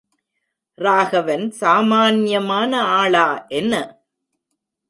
ராகவன் சாமான்யமான ஆளா, என்ன?